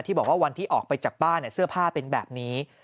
บอกว่าวันที่ออกไปจากบ้านเสื้อผ้าเป็นแบบนี้